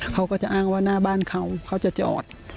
เขาก็จะอ้างว่าหน้าบ้านเขาเขาจะจอด